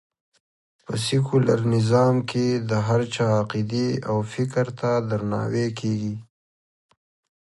په سکیولر نظام کې د هر چا عقېدې او فکر ته درناوی کېږي